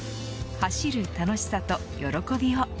走る楽しさと喜びを。